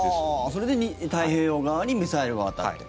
それで太平洋側にミサイルが渡って。